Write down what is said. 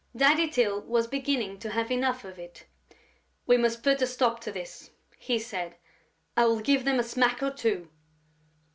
Daddy Tyl was beginning to have enough of it: "We must put a stop to this," he said. "I will give them a smack or two."